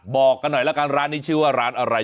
บอกกันหน่อยละกันร้านนี้ชื่อว่าร้านอะไร